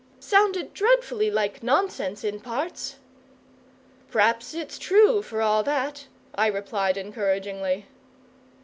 "Sounded dreadfully like nonsense, in parts!" "P'raps its true for all that," I replied encouragingly.